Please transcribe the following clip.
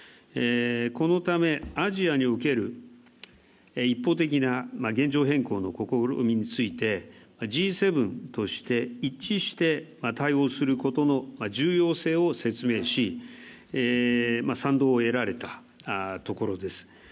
このため、アジアにおける一方的な現状変更の試みについて、Ｇ７として一致して対応することの重要性を説明し、賛同を得られたところです。